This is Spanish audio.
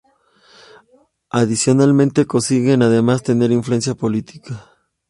Adicionalmente consigue además tener influencia política.